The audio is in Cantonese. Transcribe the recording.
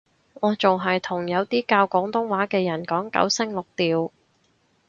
我仲係同有啲教廣東話嘅人講九聲六調